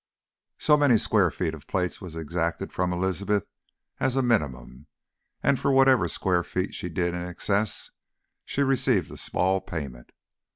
So many square feet of plates was exacted from Elizabeth as a minimum, and for whatever square feet she did in excess she received a small payment.